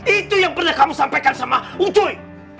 itu yang pernah kamu sampaikan sama ucuy